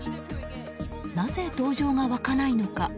なぜ同情が湧かないのか。